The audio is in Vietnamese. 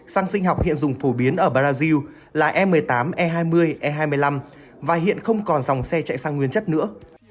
xăng sinh học hiện dùng phổ biến ở brazil là e một mươi tám e hai mươi e hai mươi năm và hiện không còn dòng xe chạy sang nguyên chất nữa